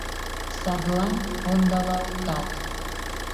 Садлан ондалалтат...